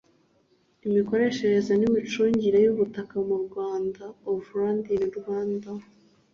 imikoreshereze n imicungire y ubutaka mu rwanda of land in rwanda